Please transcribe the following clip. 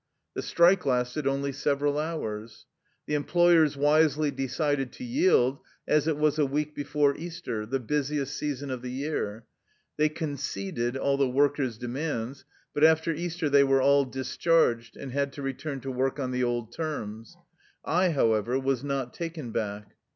The strike lasted only several hours. The employers wisely decided to yield, as it was a week before Easter, the busiest season of the year. They conceded all the workers' demands. But after Easter they were all discharged, and had to return to work on the old terms. I, however, was not taken back.